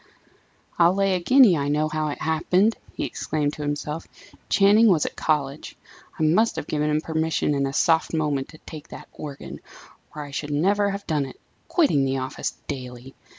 "I'll lay a guinea I know how it happened!" he exclaimed to himself. "Channing was at college I must have given him permission in a soft moment to take that organ, or I should never have done it, quitting the office daily!